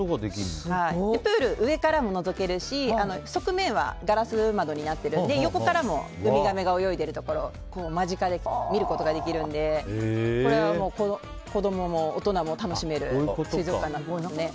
プール、上からものぞけるし側面はガラス窓になっているので横からもウミガメが泳いでいるところを間近で見ることができるのでこれは子供も大人も楽しめる水族館になってますね。